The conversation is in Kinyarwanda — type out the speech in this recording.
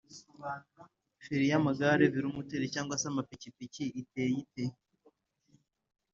feri y’amagare na velomoteri cg se amapikipikiiteye ite